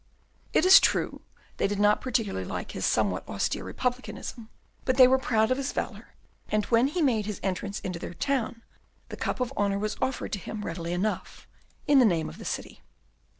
It is true, they did not particularly like his somewhat austere republicanism, but they were proud of his valour; and when he made his entrance into their town, the cup of honour was offered to him, readily enough, in the name of the city.